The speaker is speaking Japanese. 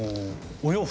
お洋服。